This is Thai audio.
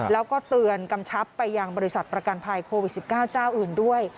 แล้วก็เตือนกำชับไปยังบริษัทประกันภัยโควิด๑๙เจ้าอื่นด้วย